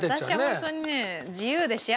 私はホントにね。